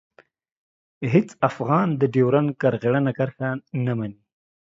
هېڅ افغان د ډیورنډ کرغېړنه کرښه نه مني.